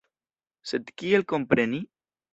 Sed kiel kompreni?